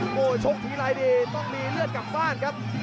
โอ้โหชงทีลายด์กังวลต้องมีเลือดกลับบ้านครับ